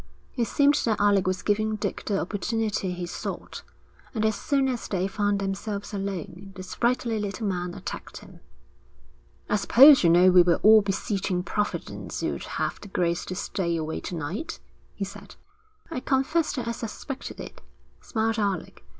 It seemed that Alec was giving Dick the opportunity he sought, and as soon as they found themselves alone, the sprightly little man attacked him. 'I suppose you know we were all beseeching Providence you'd have the grace to stay away to night?' he said. 'I confess that I suspected it,' smiled Alec.